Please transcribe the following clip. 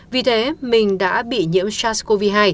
vì thế mình đã bị nhiễm sars cov hai